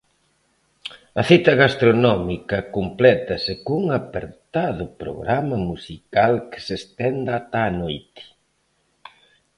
A cita gastronómica complétase cun apertado programa musical que se estende ata a noite.